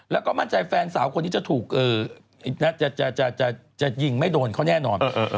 แล้วก็มั่นใจแฟนสาวคนนี้จะถูกจะยิงไม่โดนเขาแน่นอน